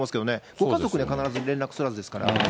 ご家族には必ず連絡するはずですから。